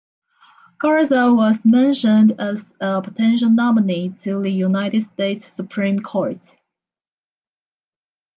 Garza was mentioned as a potential nominee to the United States Supreme Court.